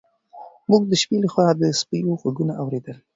موږ د شپې لخوا د سپیو غږونه اورېدل.